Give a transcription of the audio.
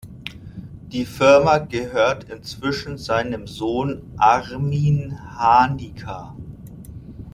Die Firma gehört inzwischen seinem Sohn Armin Hanika.